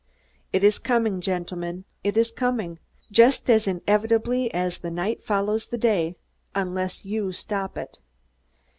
It is coming, gentlemen, it is coming, just as inevitably as that night follows day, unless you stop it.